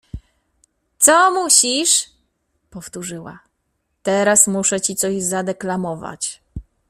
— Coo musisz? Powtórzyła: — Teraz muszę ci coś zadeklamować.